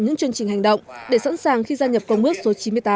những chương trình hành động để sẵn sàng khi gia nhập công ước số chín mươi tám